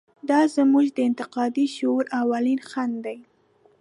دا زموږ د انتقادي شعور اولین خنډ دی.